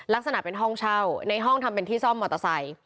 ลักษณะเป็นห้องเช่าในห้องทำเป็นที่ซ่อมมอเตอร์ไซค์